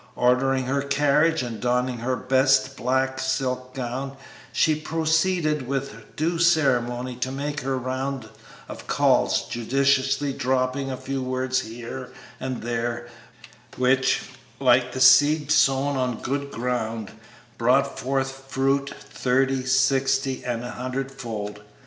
Ordering her carriage and donning her best black silk gown, she proceeded with due ceremony to make her round of calls, judiciously dropping a few words here and there, which, like the seed sown on good ground, brought forth fruit, thirty, sixty, and a hundred fold.